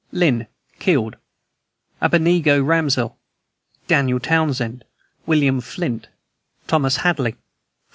LYNN. Killed: Abednego Ramsdell, Daniel Townsend, William Flint, Thomas Hadley, 4.